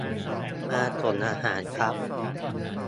มาส่งอาหารครับ